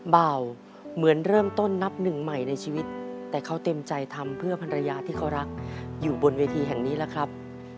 เบาเหมือนเริ่มต้นนับหนึ่งใหม่ในชีวิตแต่เขาเต็มใจทำเพื่อภรรยาที่เขารักอยู่บนเวทีแห่งนี้แล้วครับ